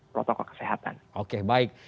protokol kesehatan oke baik